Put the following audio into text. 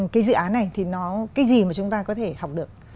cái dự án này thì nó cái gì mà chúng ta có thể học được